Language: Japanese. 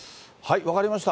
分かりました。